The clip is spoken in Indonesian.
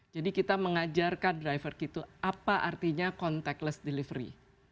jadi kita mengajarkan driver kita apa artinya contactless delivery